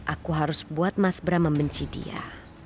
aku harus buat mas bram membenci dia